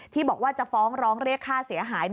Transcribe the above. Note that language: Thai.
ที่บอกว่าจะฟ้องร้องเรียกค่าเสียหาย